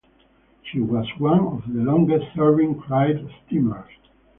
She was one of the longest serving Clyde steamers.